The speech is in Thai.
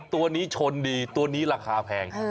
ตัวนี้ชนดีตัวนี้ราคาแพง